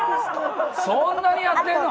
そんなにやってるの？